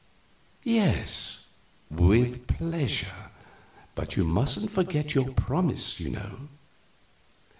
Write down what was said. "Yes, with pleasure; but you mustn't forget your promise, you know."